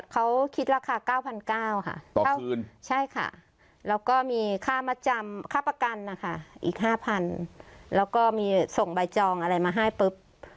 เขาคิดราคา๙๙๐๐ค่ะแล้วก็มีค่าประกันอีก๕๐๐๐แล้วก็มีส่งใบจองอะไรมาให้ปุ๊บ